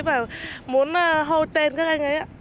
và muốn hô tên các anh ấy